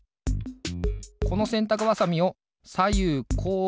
このせんたくばさみをさゆうこう